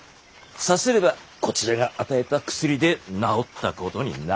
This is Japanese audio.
さすればこちらが与えた薬で治ったことになる。